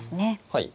はい。